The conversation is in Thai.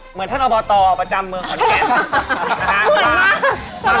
เหมือนท่านอบอตรประจำเมืองของเกียรติภาพ